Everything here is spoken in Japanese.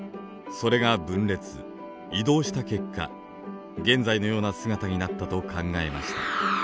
それが分裂移動した結果現在のような姿になったと考えました。